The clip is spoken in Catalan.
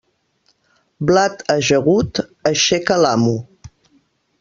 Blat ajagut, aixeca l'amo.